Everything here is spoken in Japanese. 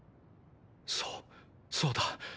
そうそうだ。